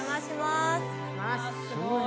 すごい。